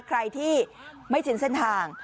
ใครที่ไม่ชินเส้นทาง